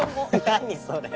何それ。